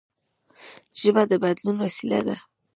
ژبه د بدلون وسیله ده.